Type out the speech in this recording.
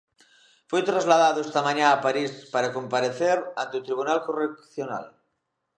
Foi trasladado esta mañá a París para comparecer ante o Tribunal Correccional.